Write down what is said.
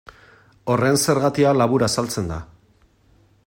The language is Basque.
Horren zergatia labur azaltzen da.